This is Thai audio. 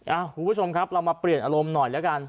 คุณผู้ชมครับเรามาเปลี่ยนอารมณ์หน่อยแล้วกัน